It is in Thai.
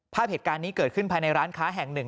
ภาพเหตุการณ์นี้เกิดขึ้นภายในร้านค้าแห่งหนึ่ง